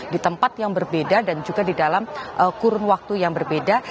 di tempat yang berbeda dan juga di dalam kurun waktu yang berbeda